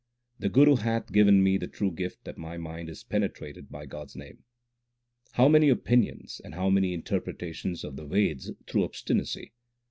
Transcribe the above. The Guru hath given me the true gift that my mind is penetrated by God s name. How many opinions, and how many interpretations of the Veds through obstinacy